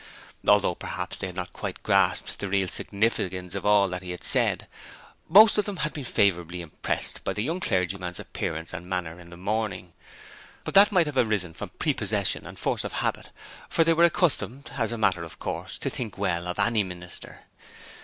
Although perhaps they had not quite grasped the real significance of all that he had said, most of them had been favourably impressed by the young clergyman's appearance and manner in the morning: but that might have arisen from prepossession and force of habit, for they were accustomed, as a matter of course, to think well of any minister.